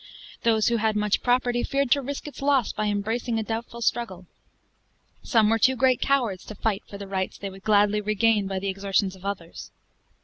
Those who had much property, feared to risk its loss by embracing a doubtful struggle. Some were too great cowards to fight for the rights they would gladly regain by the exertions of others.